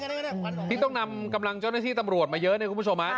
ที่ต้องนำกำลังเจ้าหน้าที่ตำรวจมาเยอะเนี่ยคุณผู้ชมฮะ